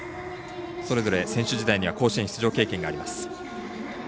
それぞれ選手時代には甲子園出場経験があります。